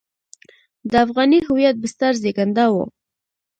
د افغاني هویت بستر زېږنده وو.